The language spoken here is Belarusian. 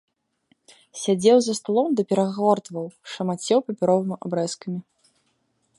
Сядзеў за сталом ды перагортваў, шамацеў папяровымі абрэзкамі.